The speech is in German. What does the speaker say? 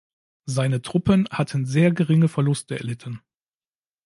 Seine Truppen hatten sehr geringe Verluste erlitten.